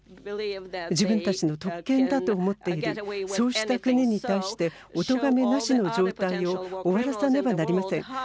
自分たちの特権だと思っているそうした国に対しておとがめなしの状態を終わらさなければなりません。